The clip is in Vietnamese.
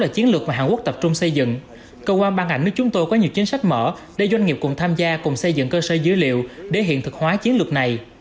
cơ quan băng ảnh nước chúng tôi có nhiều chính sách mở để doanh nghiệp cùng tham gia cùng xây dựng cơ sở dữ liệu để hiện thực hóa chiến lược này